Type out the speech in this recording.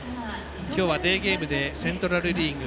今日はデーゲームでセントラル・リーグ